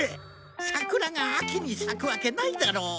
桜が秋に咲くわけないだろう。